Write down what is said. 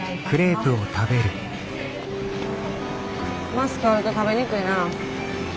マスクあると食べにくいな。